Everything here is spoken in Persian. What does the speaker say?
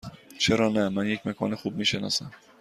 چرا نه؟ من یک مکان خوب می شناسم.